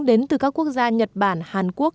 đến từ các quốc gia nhật bản hàn quốc